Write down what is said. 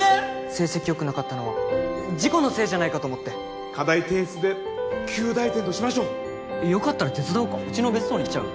成績よくなかったのは事故のせいじゃないかと思って課題提出で及第点としましょうよかったら手伝おうかうちの別荘に来ちゃう？